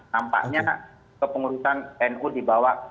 nampaknya kepengurusan nu dibawa